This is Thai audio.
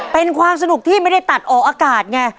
เป็นความสนุกที่ไม่ได้ตัดออกอากาศไง